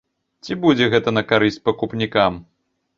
Ці будзе гэта на карысць пакупнікам?